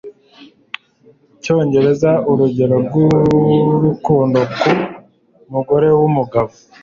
cyongera urugero rw'urukundo ku mugore n'umugabo